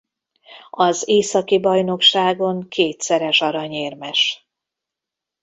Az Északi Bajnokságon kétszeres aranyérmes.